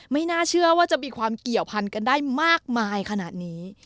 ไม่น่าเชื่อว่าจะมีความเกี่ยวพันกันได้มากมายขนาดนี้